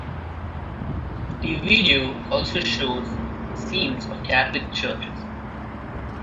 The video also shows scenes of Catholic churches.